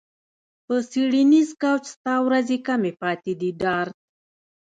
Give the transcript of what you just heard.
په څیړنیز کوچ ستا ورځې کمې پاتې دي ډارت